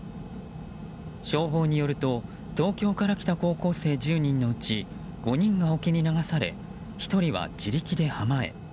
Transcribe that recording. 消防によると東京から来た高校生１０人のうち５人が沖に流され１人は自力で浜へ。